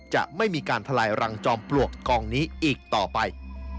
จะไม่มีการทะลายรังจอมปลวกกองนี้อีกต่อไป